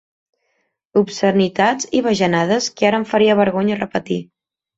Obscenitats i bajanades que ara em faria vergonya repetir.